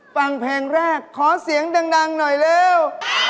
ฟังเพลงแรกขอเสียงดังหน่อยเร็ว